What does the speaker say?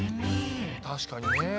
確かにね。